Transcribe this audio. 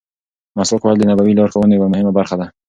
مسواک وهل د نبوي لارښوونو یوه مهمه برخه ده.